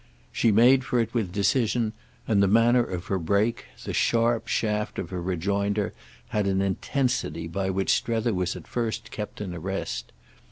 She made for it with decision, and the manner of her break, the sharp shaft of her rejoinder, had an intensity by which Strether was at first kept in arrest.